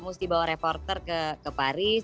mesti bawa reporter ke paris